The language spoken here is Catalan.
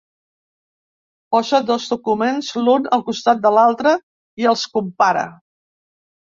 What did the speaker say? Posa dos documents l'un al costat de l'altre i els compara.